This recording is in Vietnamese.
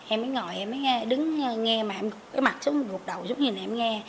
em mới ngồi em mới nghe đứng nghe mặt xuống gục đầu xuống nhìn em nghe